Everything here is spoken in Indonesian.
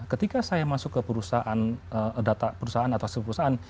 ketika saya masuk ke perusahaan data perusahaan atau sebagainya